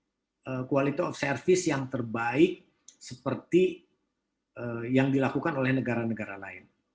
kami mengingatkan kecepatan internet di indonesia adalah kecepatan yang terbaik seperti yang dilakukan oleh negara negara lain